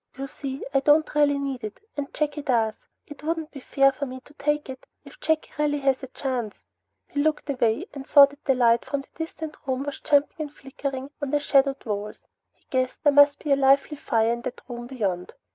You see, I don't really need it, and Jakey does. It wouldn't be fair for me to take it if Jakey has a chance." He looked away, and saw that the light from the distant hidden room was jumping and flickering on the shadowed walls. He guessed there must be a lively fire in that room beyond.